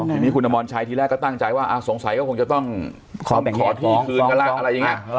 ทีนี้คุณอมรชัยที่แรกก็ตั้งใจว่าสงสัยก็คงจะต้องขอที่คืนกันล่ะ